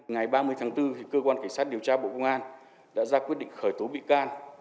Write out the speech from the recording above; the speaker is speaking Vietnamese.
ngày ba mươi tháng bốn cơ quan cảnh sát điều tra bộ công an đã ra quyết định khởi tố bị can